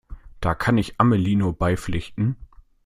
Da kann ich Amelie nur beipflichten.